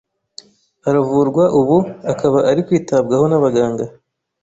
aravurwa, ubu akaba ari kwitabwaho n’abaganga.